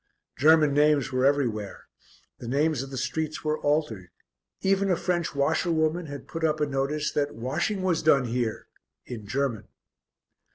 German names were everywhere; the names of the streets were altered, even a French washerwoman had put up a notice that "washing was done here," in German.